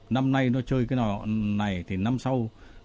năm nay nó chơi cái nò này thì năm sau